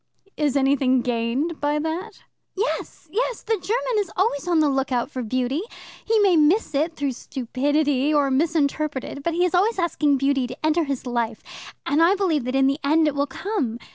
"Is anything gained by that?" "Yes, yes. The German is always on the lookout for beauty. He may miss it through stupidity, or misinterpret it, but he is always asking beauty to enter his life, and I believe that in the end it will come.